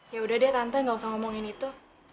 ya udah deh tante gak usah ngomongin itu